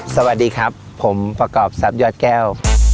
สวัสดีครับผมประกอบทรัพยอดแก้ว